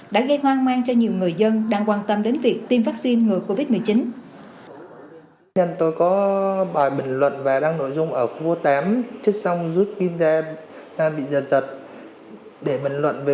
đã gây hoang mang cho nhiều người dân đang quan tâm đến việc tiêm vaccine